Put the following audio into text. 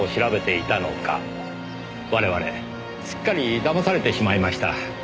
我々すっかり騙されてしまいました。